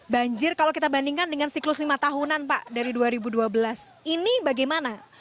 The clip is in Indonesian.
banjir kalau kita bandingkan dengan siklus lima tahunan pak dari dua ribu dua belas ini bagaimana